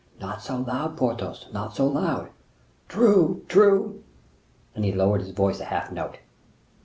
"Not so loud, Porthos, not so loud." "True, true!" and he lowered his voice a half note.